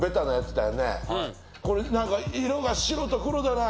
はいこれなんか色が白と黒じゃない